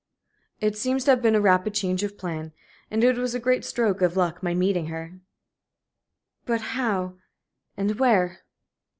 "It seems to have been a rapid change of plan. And it was a great stroke of luck my meeting her." "But how and where?"